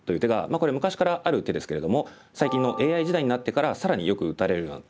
これ昔からある手ですけれども最近のＡＩ時代になってから更によく打たれるようになった手です。